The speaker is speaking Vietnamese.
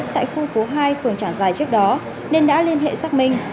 tại khu phố hai phường trảng dài trước đó nên đã liên hệ xác minh